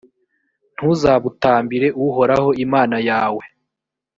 ntuzabutambire uhoraho imana yawe: